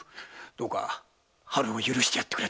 どうか“はる”を許してやってくれ。